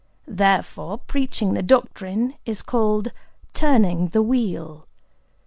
Therefore preaching the doctrine is called, 'turning the Wheel.